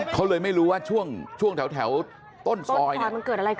เขาเลยไม่รู้ว่าช่วงช่วงแถวต้นซอยเนี่ย